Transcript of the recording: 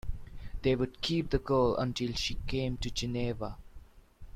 They would keep the girl until she came to Geneva.